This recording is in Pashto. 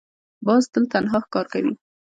باز تل تنها ښکار کوي